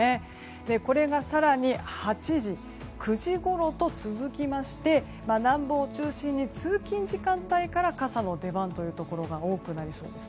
これが更に８時、９時ごろと続きまして南部を中心に通勤時間帯から傘の出番というところが多くなりそうです。